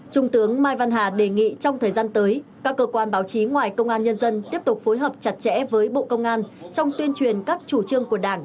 trung tướng mai văn hà đề nghị trong thời gian tới các cơ quan báo chí ngoài công an nhân dân tiếp tục phối hợp chặt chẽ với bộ công an trong tuyên truyền các chủ trương của đảng